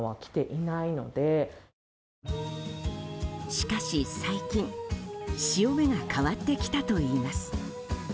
しかし、最近潮目が変わってきたといいます。